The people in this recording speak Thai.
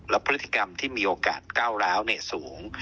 และพฤติกรรมที่มีโอกาสก้าวร้าวสูง